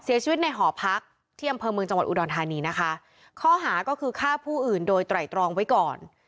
เสียชีวิตในหอพักที่อำเภอเมืองจังหวัดอุดรธานีนะคะข้อหาก็คือฆ่าผู้อื่นโดยไตรตรองไว้ก่อน